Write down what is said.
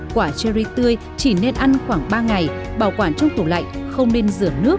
quả cherry tươi chỉ nên ăn khoảng ba ngày bảo quản trong tủ lạnh không nên rửa nước tránh bị hỏng